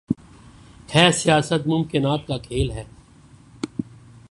ہی سیاست ممکنات کا کھیل ہے۔